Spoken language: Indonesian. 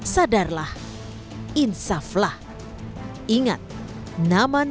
sadarlah insaflah ingat nama nama